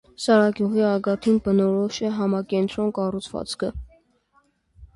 Սարիգյուղի ագաթին բնորոշ է համակենտրոն կառուցվածքը։